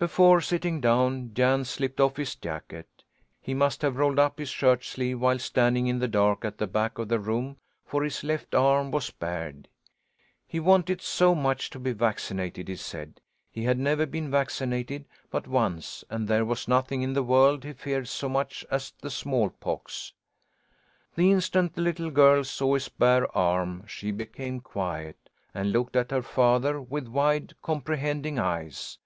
Before sitting down, Jan slipped off his jacket. He must have rolled up his shirt sleeve while standing in the dark, at the back of the room, for his left arm was bared. He wanted so much to be vaccinated, he said. He had never been vaccinated but once, and there was nothing in the world he feared so much as the smallpox. The instant the little girl saw his bare arm she became quiet, and looked at her father with wide, comprehending eyes.